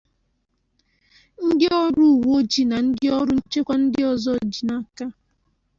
ndị ọrụ uweojii na ndị ọrụ nchekwa ndị ọzọ ji n'aka